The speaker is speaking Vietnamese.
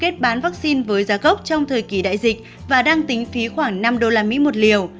kết bán vaccine với giá gốc trong thời kỳ đại dịch và đang tính phí khoảng năm usd một liều